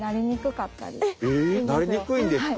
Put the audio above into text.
なりにくいんですか。